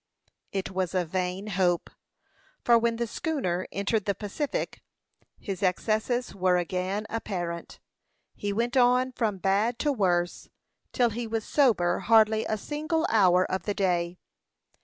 It was a vain hope; for when the schooner entered the Pacific, his excesses were again apparent. He went on from bad to worse, till he was sober hardly a single hour of the day.